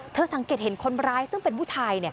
สังเกตเห็นคนร้ายซึ่งเป็นผู้ชาย